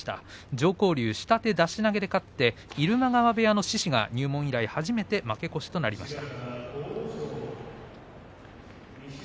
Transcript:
常幸龍、下手出し投げで勝って入間川部屋の獅司が入門以来初めて負け越しとなりました。